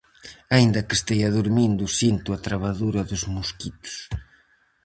Aínda que estea durmindo sinto a trabadura dos mosquitos.